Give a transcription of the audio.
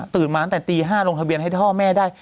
มาตั้งแต่ตี๕ลงทะเบียนให้พ่อแม่ได้